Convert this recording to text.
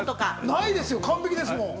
ないですよ、完璧ですもん。